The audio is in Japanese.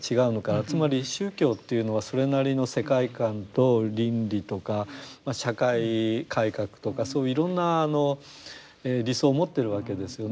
つまり宗教というのはそれなりの世界観と倫理とか社会改革とかそういういろんな理想を持ってるわけですよね。